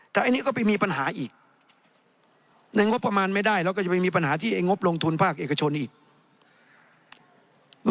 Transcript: แต่อันนี้ก็ไปมีปัญหาอีกในงบประมาณไม่ได้เราก็จะไปมีปัญหาที่ไอ้งบลงทุนภาคเอกชนอีก